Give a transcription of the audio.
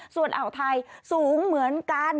ส่วนอ่าวไทยสูงเหมือนกัน